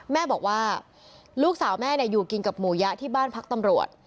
แม่บอกว่าลูกสาวแม่อยู่กินกับหมูยะที่บ้านพักตำรวจ